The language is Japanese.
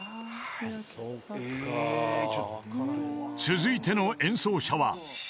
［続いての演奏者は］